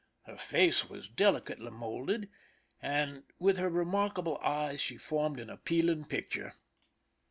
Her face was delicately molded, and with her remarkable eyes she formed an appealing picture.